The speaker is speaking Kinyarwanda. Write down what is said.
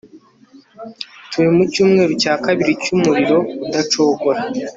turi mucyumweru cya kabiri cyumuriro udacogora